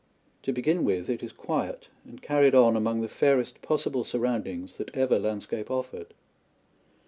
To begin with, it is quiet and carried on among the fairest possible surroundings that ever landscape offered.